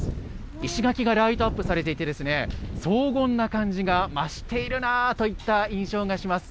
石垣がライトアップされていて、荘厳な感じが増しているなといった印象がします。